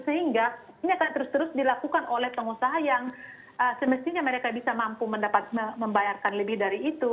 sehingga ini akan terus terus dilakukan oleh pengusaha yang semestinya mereka bisa mampu membayarkan lebih dari itu